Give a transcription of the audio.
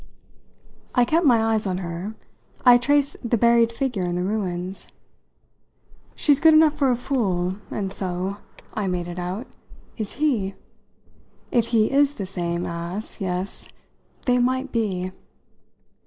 I kept my eyes on her; I traced the buried figure in the ruins. "She's good enough for a fool; and so" I made it out "is he! If he is the same ass yes they might be."